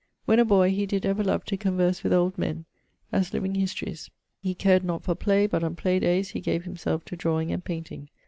When a boy, he did ever love to converse with old men, as living histories. He cared not for play, but on play dayes he gave himselfe to drawing and painting.